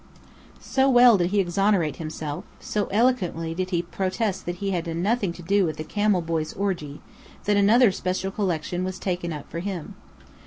So well did he exonerate himself, so eloquently did he protest that he had nothing to do with the camel boys' orgy, that another special collection was taken up for him.